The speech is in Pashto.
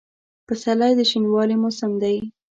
پسرلی د شنوالي موسم دی.